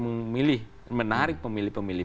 memilih menarik pemilih pemilih